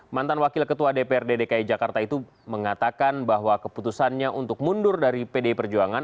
mantan wakil ketua dprd dki jakarta itu mengatakan bahwa keputusannya untuk mundur dari pdi perjuangan